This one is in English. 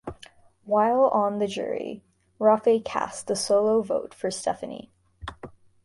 While on the jury, Rafe cast the sole vote for Stephenie.